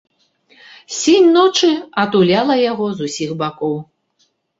Сінь ночы атуляла яго з усіх бакоў.